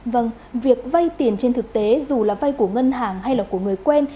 vâng việc vây tiền trên thực tế dù là vây của ngân hàng hay là của người quen